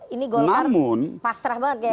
ini golkar pasrah banget ya